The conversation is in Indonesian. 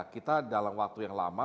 kita dalam waktu yang lama